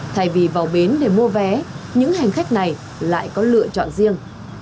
thay vì vào bến để mua vé những hành khách này lại có lựa chọn riêng